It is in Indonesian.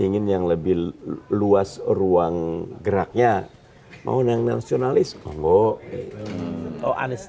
mau yang ini vigour mudah vigour lebih maksud parenthesis bisa ke francisco